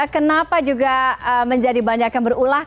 kenapa juga menjadi banyak yang berulah